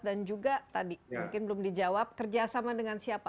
dan juga tadi mungkin belum dijawab kerjasama dengan siapa